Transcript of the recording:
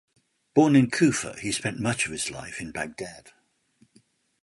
Born in Kufa, he spent much of his life in Baghdad.